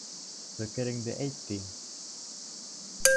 Фекереңде әйт, тием.